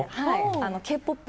Ｋ‐ＰＯＰ